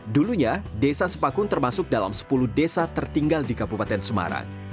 dulunya desa sepakun termasuk dalam sepuluh desa tertinggal di kabupaten semarang